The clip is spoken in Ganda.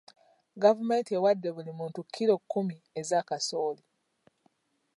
Gavumenti ewadde buli muntu kilo kkumi eza kasooli.